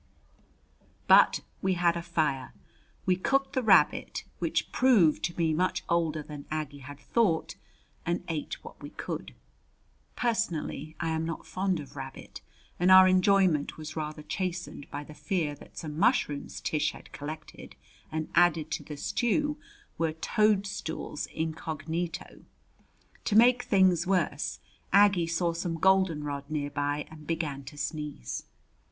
But we had a fire. We cooked the rabbit, which proved to be much older than Aggie had thought, and ate what we could. Personally I am not fond of rabbit, and our enjoyment was rather chastened by the fear that some mushrooms Tish had collected and added to the stew were toadstools incognito. To make things worse, Aggie saw some goldenrod nearby and began to sneeze.